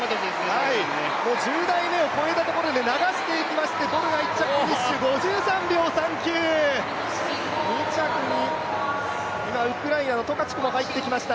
１０台目を越えたところで流していきまして、ボルが１着５３秒３９２着に今、ウクライナのトカチュクも入ってきました。